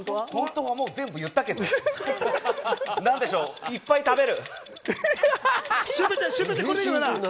もう全部言ったけど、いっぱい食べる。